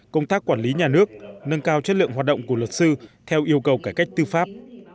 công tác quản lý nhà nước nâng cao chất lượng hoạt động của luật sư theo yêu cầu cải cách tư pháp